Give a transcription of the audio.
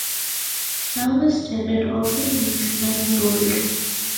Nervous terror often makes men bold.